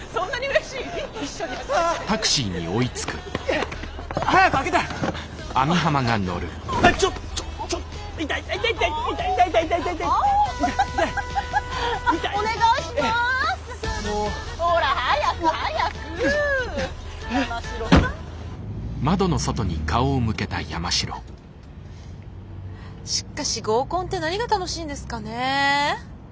しかし合コンって何が楽しいんですかね。